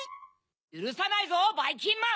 ゆるさないぞばいきんまん！